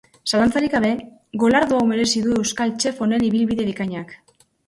Zalantzarik gabe, golardo hau merezi du euskal chef honen ibilbide bikainak.